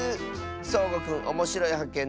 そうごくんおもしろいはっけん